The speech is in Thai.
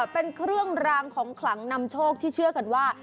เป็นเครื่องรางของขลังนำโชคที่เชื่อกันว่า